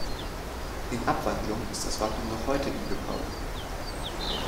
In Abwandlung ist das Wappen noch heute im Gebrauch.